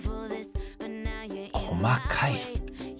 細かい。